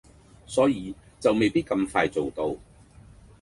所以就未必咁快做到